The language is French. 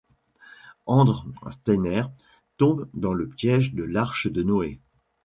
Endre Steiner tombe dans le piège de l'arche de Noé.